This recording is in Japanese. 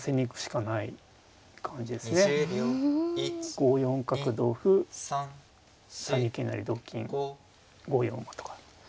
５四角同歩３二桂成同金５四馬とか。